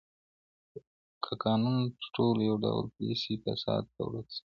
که قانون پر ټولو يو ډول پلی سي، فساد به ورک سي.